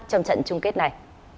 trong trận chung kết này